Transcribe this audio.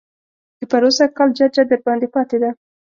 د پروسږ کال ججه درباندې پاتې ده.